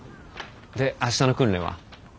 で明日の訓練は？